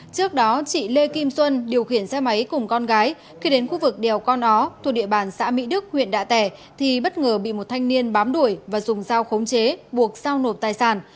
trước đó chị lê kim xuân điều khiển xe máy cùng con gái khi đến khu vực đèo con ó thuộc địa bàn xã mỹ đức huyện đạ tẻ thì bất ngờ bị một thanh niên bám đuổi và dùng dao khống chế buộc sao nộp tài sản